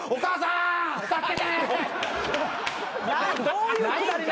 どういうくだり。